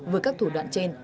với các thủ đoạn trên